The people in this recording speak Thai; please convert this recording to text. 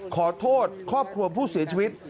ขอโทษครอบครัวผู้เสียชีวิต